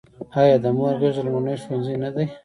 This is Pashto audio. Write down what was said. آیا د مور غیږه لومړنی ښوونځی نه دی؟